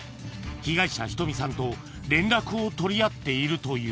被害者瞳さんと連絡を取り合っているという